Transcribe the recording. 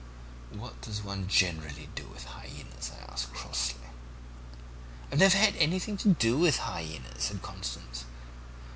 "'What does one generally do with hyaenas?' I asked crossly. "'I've never had anything to do with one before,' said Constance.